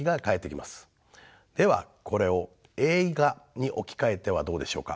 ではこれを映画に置き換えてはどうでしょうか。